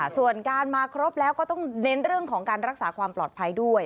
ส่วนการมาครบแล้วก็ต้องเน้นเรื่องของการรักษาความปลอดภัยด้วย